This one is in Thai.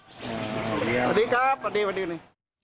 สวัสดีครับสวัสดี